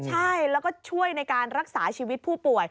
ใช่แล้วก็ช่วยในการรักษาชีวิตผู้ป่วย